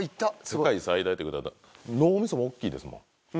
世界最大ってことは脳みそも大っきいですもん。